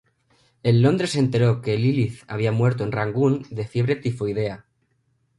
En Londres se enteró que Lilith había muerto en Rangún de fiebre tifoidea.